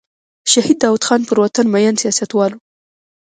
شهید داود خان پر وطن مین سیاستوال و.